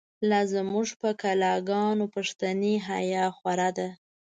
لازموږ په کلاګانو، پښتنی حیا خو ره ده